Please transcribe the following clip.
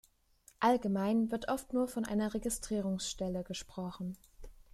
Allgemein wird oft nur von einer Registrierungsstelle gesprochen.